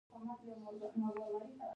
پښتونولي د یووالي درس ورکوي.